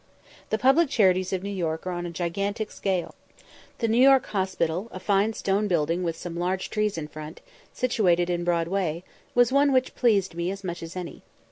The public charities of New York are on a gigantic scale. The New York Hospital, a fine stone building with some large trees in front, situated in Broadway, was one which pleased me as much as any.